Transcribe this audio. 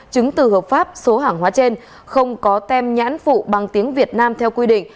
chứng từ hợp pháp số hàng hóa trên không có tem nhãn phụ bằng tiếng việt nam theo quy định